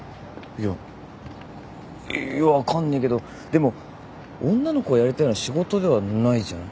いや分かんねえけどでも女の子がやりたいような仕事ではないじゃない。